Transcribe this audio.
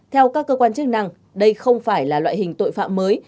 theo các cơ quan chức năng đây không phải là loại hình tội phạm mới